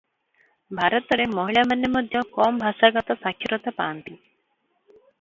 ଭାରତରେ ମହିଳାମାନେ ମଧ୍ୟ କମ ଭାଷାଗତ ସାକ୍ଷରତା ପାଆନ୍ତି ।